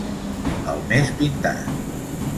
El més pintat.